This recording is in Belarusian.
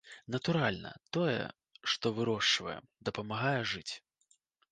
Натуральна, тое, што вырошчваем, дапамагае жыць.